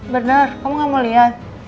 bener kamu engga mau liat